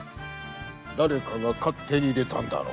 誰かが勝手に入れたんだろう。